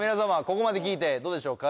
ここまで聞いてどうでしょう？